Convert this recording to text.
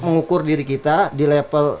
mengukur diri kita di level